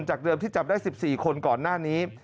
เดิมที่จับได้๑๔คนก่อนหน้านี้